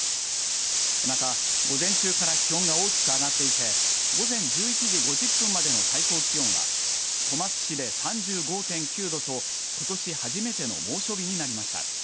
また、午前中から気温が大きく上がっていて午前１１時５０分までの最高気温は小松市で３５．９度とことし初めての猛暑日になりました。